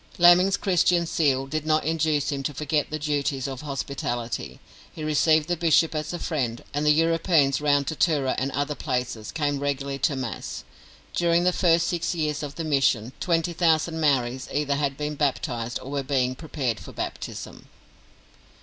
Laming's Christian zeal did not induce him to forget the duties of hospitality. He received the bishop as a friend, and the Europeans round Tatura and other places came regularly to Mass. During the first six years of the mission, twenty thousand Maoris either had been baptised or were being prepared for baptism.